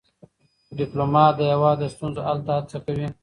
ډيپلومات د هیواد د ستونزو حل ته هڅه کوي.